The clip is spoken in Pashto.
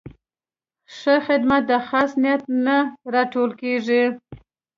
ښه خدمت د خالص نیت نه راټوکېږي.